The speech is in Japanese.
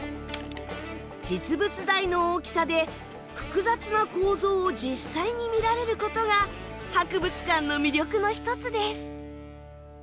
実物大の大きさで複雑な構造を実際に見られることが博物館の魅力の一つです。